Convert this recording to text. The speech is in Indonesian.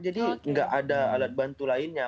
jadi nggak ada alat bantu lainnya